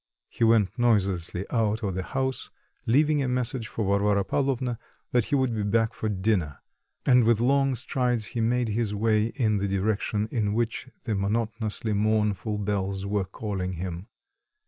He went noiselessly out of the house, leaving a message for Varvara Pavlovna that he would be back to dinner, and with long strides he made his way in the direction in which the monotonously mournful bells were calling him.